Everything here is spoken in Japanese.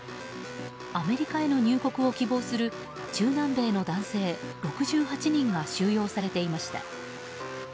アメリカへの入国を希望する中南米の男性６８人が収容されていました。